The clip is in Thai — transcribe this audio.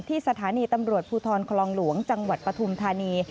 สถานีตำรวจภูทรคลองหลวงจังหวัดปฐุมธานี